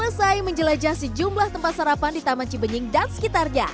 sudah selesai menjelajahi jumlah tempat sarapan di taman cibenying dan sekitarnya